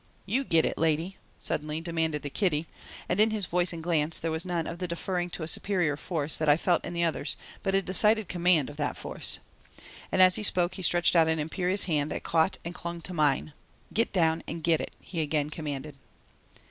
"You git it, lady," suddenly demanded the kiddie, and in his voice and glance there was none of the deferring to a superior force that I felt in the others but a decided command of that force. And as he spoke he stretched out an imperious hand that caught and clung to mine. "Git down and git it," he again commanded.